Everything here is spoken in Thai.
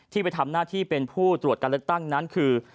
ไปทำหน้าที่เป็นผู้ตรวจการเลือกตั้งนั้นคือ